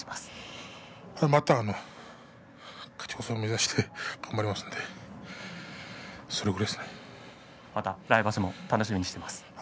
また勝ち越し目指して頑張りますので来場所も楽しみにしています。